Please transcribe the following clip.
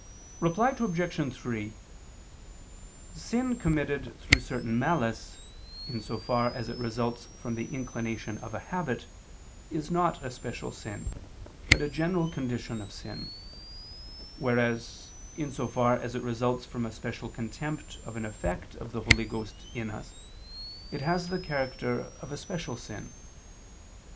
Reply Obj. 3: Sin committed through certain malice, in so far as it results from the inclination of a habit, is not a special sin, but a general condition of sin: whereas, in so far as it results from a special contempt of an effect of the Holy Ghost in us, it has the character of a special sin.